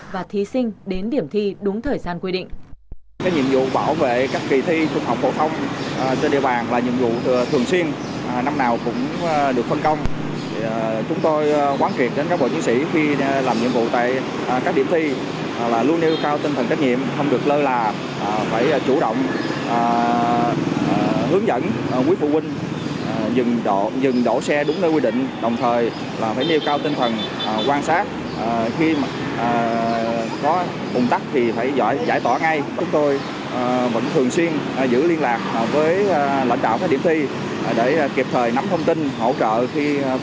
và thí sinh đến điểm thi đúng thời gian quy định